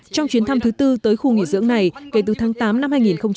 trong chuyến thăm thứ tư tới khu nghỉ dưỡng này kể từ tháng tám năm hai nghìn một mươi chín